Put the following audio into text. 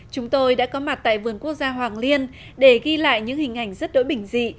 chúng tôi đã có mặt tại vườn quốc gia hoàng liên để ghi lại những hình ảnh rất đỗi bình dị